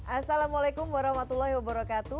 assalamualaikum warahmatullahi wabarakatuh